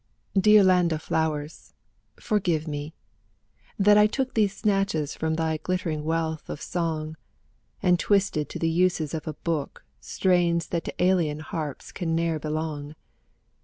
Dear Land of Flowers^ forgive me I — that I took These snatches from thy glittering wealth of song^ And twisted to the uses of a book Strains that to alien harps can n^er belong.